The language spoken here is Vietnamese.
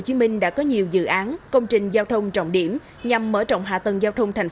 hồ chí minh đã có nhiều dự án công trình giao thông trọng điểm nhằm mở rộng hạ tầng giao thông thành